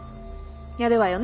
やるわよね？